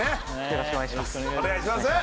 よろしくお願いします